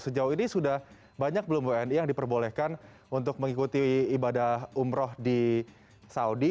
sejauh ini sudah banyak belum bni yang diperbolehkan untuk mengikuti ibadah umrah di saudi